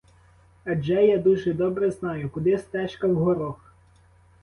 Адже я дуже добре знаю, куди стежка в горох.